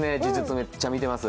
めっちゃ見てます。